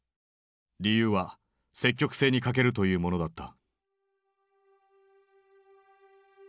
理由は積極性に欠けるというものだった。